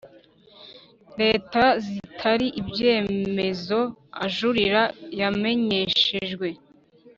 Leta zitari ibyemezo ujurira yamenyeshejwe